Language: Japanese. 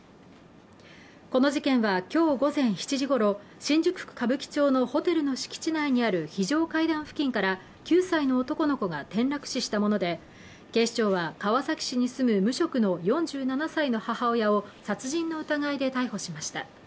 この事件は今日午前７時頃、新宿区歌舞伎町のホテルの敷地内にある非常階段付近から９歳の男の子が転落死したもので、警視庁は川崎市に住む無職の４７歳の母親を殺人の疑いで逮捕しました。